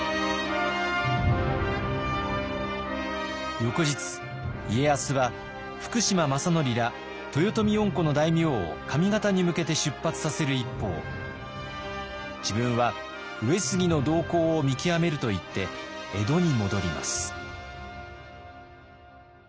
翌日家康は福島正則ら豊臣恩顧の大名を上方に向けて出発させる一方自分は上杉の動向を見極めるといって江戸に戻ります。